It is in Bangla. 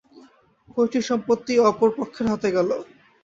পৈতৃক সম্পত্তি অপর পক্ষের হাতে গেল।